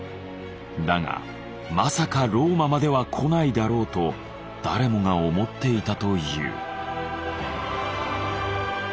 だが「まさかローマまでは来ないだろう」と誰もが思っていたという。